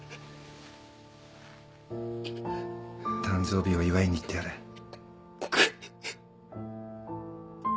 誕生日を祝いに行ってやれ。